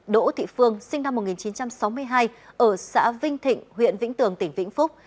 đỗ thị phương sinh năm một nghìn chín trăm sáu mươi hai ở xã vinh thịnh huyện vĩnh tường tỉnh vĩnh phúc